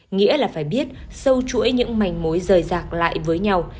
nghĩa là phải biết sâu chuỗi những manh mối rời rạc lại với nhau